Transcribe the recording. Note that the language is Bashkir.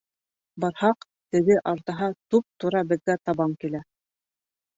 Барһаҡ, теге аждаһа туп-тура беҙгә табан килә.